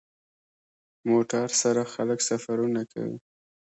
موټر سره خلک سفرونه کوي.